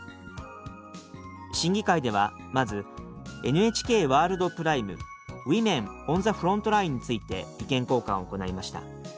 審議会ではまずＮＨＫワールドプライム「ＷｏｍｅｎｏｎｔｈｅＦｒｏｎｔＬｉｎｅ」について意見交換を行いました。